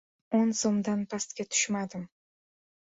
O‘n so‘mdan pastga tushmadim!